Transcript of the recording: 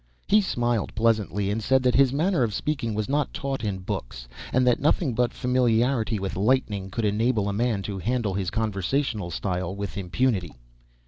He smiled pleasantly, and said that his manner of speaking was not taught in books, and that nothing but familiarity with lightning could enable a man to handle his conversational style with impunity.